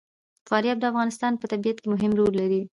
فاریاب د افغانستان په طبیعت کې مهم رول لري.